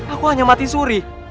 aku hanya mati seumur hidup